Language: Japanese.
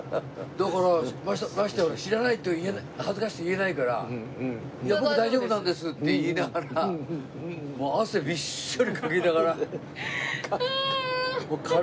だからましてや「知らない」と恥ずかしくて言えないから「いや僕大丈夫なんです」って言いながらもう汗びっしょりかきながら。